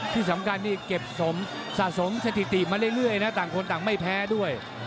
ที่สำคัญนี่เก็บสมสะสมสถิติมาเรื่อยนะต่างคนต่างไม่แพ้ด้วย